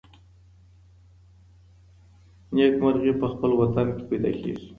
نېکمرغي په خپل وطن کي پیدا کیږي.